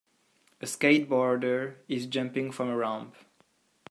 A skateboarder is jumping from a ramp.